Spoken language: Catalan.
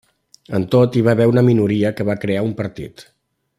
En tot, hi va haver una minoria que va crear un partit.